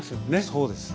そうですね。